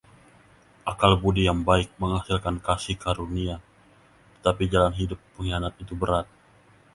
Akal budi yang baik menghasilkan kasih karunia, tetapi jalan hidup pengkhianat itu berat.